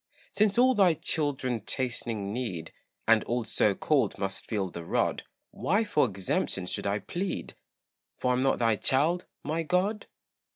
Since all thy children chastening need, And all so called must feel the rod, Why for exemption should I plead, For am I not thy child, my God?